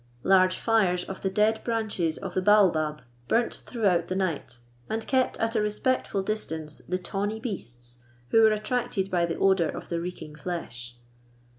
Large fires of the dead branches of the baobab burnt throughout the night, and kept at a respectful distance the tawny beasts, who were attracted by the odour of the recking flesh.